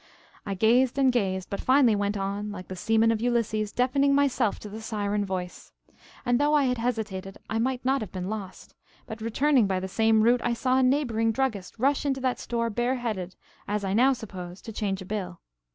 I gazed and gazed, but finally went on, like the seamen of Ulysses, deafening myself to the siren voice. And though I had hesitated, I might not have been lost; but returning by the same route, I saw a neighboring druggist rush into that store bareheaded, as I now suppose to change a bill.